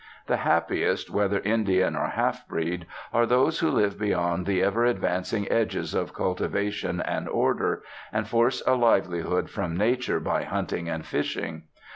The happiest, whether Indian or half breed, are those who live beyond the ever advancing edges of cultivation and order, and force a livelihood from nature by hunting and fishing.